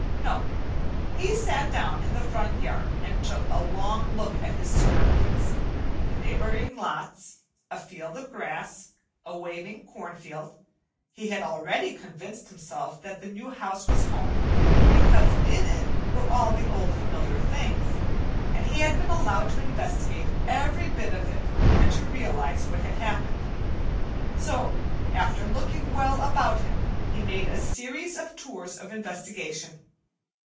No; he sat down in the front yard and took a long look at his surroundings, the neighboring lots, a field of grass, a waving corn field. He had already convinced himself that the new house was home, because in it were all the old familiar things, and he had been allowed to investigate every bit of it and to realize what had happened. So after looking well about him he made a series of tours of investigation.